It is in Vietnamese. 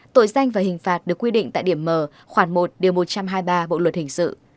tội danh và hình phạt được quy định tại điểm mở khoảng một điều một trăm hai mươi ba bộ luật hình sự